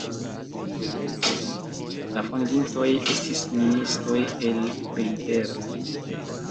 La fondintoj estis ministoj el Freiberg.